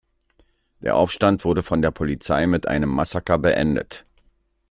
Der Aufstand wurde von der Polizei mit einem Massaker beendet.